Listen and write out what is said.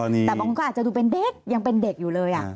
แต่บางคนก็อาจจะดูเป็นเด็กยังเป็นเด็กอยู่เลย